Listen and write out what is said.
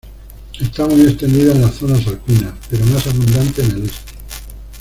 Está muy extendida en las zonas alpinas, pero más abundante en el este.